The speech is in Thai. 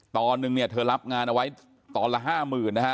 ตอนนึงเนี่ยเธอรับงานเอาไว้ตอนละห้าหมื่นนะฮะ